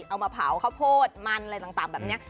เอามาเผาข้าวโพดมันอะไรต่างแบบนี้